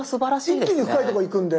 一気に深いとこ行くんで。